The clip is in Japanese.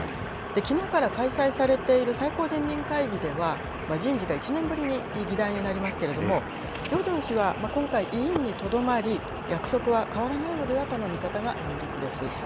きのうから開催されている最高人民会議では、人事が１年ぶりに議題になりますけれども、ヨジョン氏は今回、委員にとどまり、役職は変わらないのではとの見方が有力です。